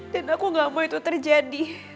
dan aku gak mau itu terjadi